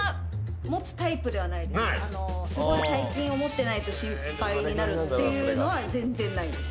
すごい大金を持ってないと心配になるっていうのは全然ないです。